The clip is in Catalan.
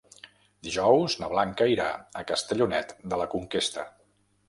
Dijous na Blanca irà a Castellonet de la Conquesta.